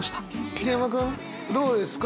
桐山君どうですか？